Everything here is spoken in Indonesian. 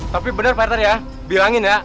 tapi bener pak rt ya bilangin ya